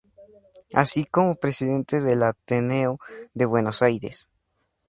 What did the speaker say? Así como presidente del Ateneo de Buenos Aires.